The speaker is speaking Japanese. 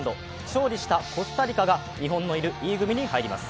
勝利したコスタリカが日本のいるＢ組に入ります。